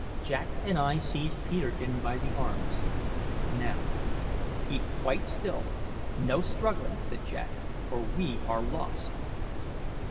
Jack and I seized Peterkin by the arms. "Now, keep quite still no struggling," said Jack, "or we are lost!"